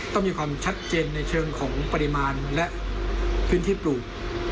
ต้องมีความชัดเจนในเชิงของปริมาณและพื้นที่ปลูก